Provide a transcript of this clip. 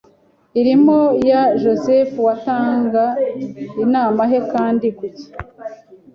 imirimo ya Joseph watanga inama he kandi kuki